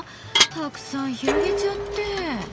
たくさん広げちゃって。